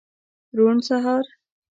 روڼ سهار